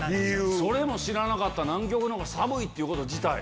それも知らなかった南極のほうが寒いってこと自体。